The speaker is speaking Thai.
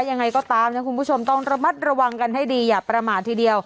ยังไงก็ตามนะคุณผู้ชมต้องระมัดระวังกันให้ดีอย่าประมาททีเดียว